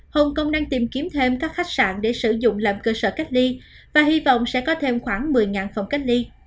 hồng kông đang tìm kiếm thêm các khách sạn để sử dụng làm cơ sở cách ly và hy vọng sẽ có thêm khoảng một mươi phòng cách ly